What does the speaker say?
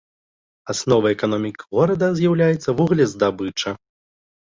Асновай эканомікі горада з'яўляецца вуглездабыча.